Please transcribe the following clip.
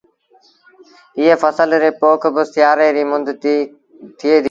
ايٚئي ڦسل ريٚ پوک با سيآري ريٚ مند ٿئي ديٚ